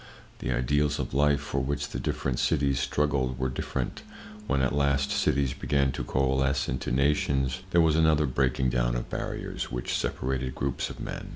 The ideals of life for which the different cities struggled were different. When at last cities began to coalesce into nations there was another breaking down of barriers which separated groups of men.